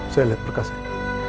saya lihat berkasnya